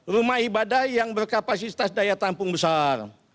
rumah ibadah yang berkapasitas daya tampung besar